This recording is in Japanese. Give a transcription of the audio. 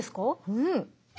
うん。